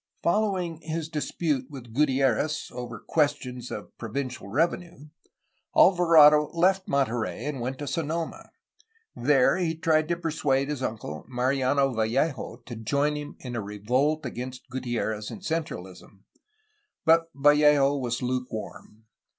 Following his dispute with Gutierrez (over questions of provincial revenue), Alvarado left Monte rey and went to Sonoma. There he tried to persuade his uncle, Mariano Vallejo, to join him in a revolt against Gutierrez and centralism, but Vallejo was lukewarm.